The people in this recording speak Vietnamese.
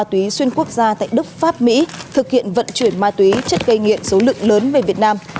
ma túy xuyên quốc gia tại đức pháp mỹ thực hiện vận chuyển ma túy chất gây nghiện số lượng lớn về việt nam